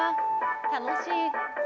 楽しい。